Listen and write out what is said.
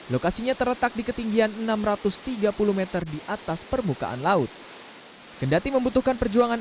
lokasinya terletak di ketinggian enam ratus tiga puluh m di atas permukaan laut kendati membutuhkan perjuangan